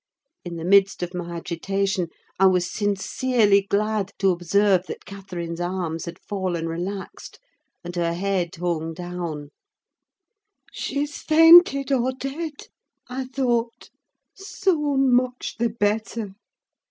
In the midst of my agitation, I was sincerely glad to observe that Catherine's arms had fallen relaxed, and her head hung down. "She's fainted, or dead," I thought: "so much the better.